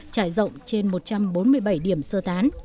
trải rộng trên một trăm bốn mươi bảy điểm sơ tán